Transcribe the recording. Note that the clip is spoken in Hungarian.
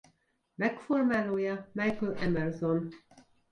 Megformálója Michael Emerson.